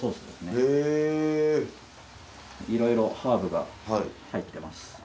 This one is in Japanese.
いろいろハーブが入ってます。